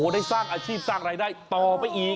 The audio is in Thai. ได้สร้างอาชีพสร้างรายได้ต่อไปอีก